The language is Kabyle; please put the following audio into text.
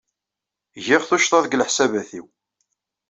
Giɣ tuccḍa deg leḥsabat-inu.